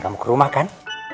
kamu kerumah kan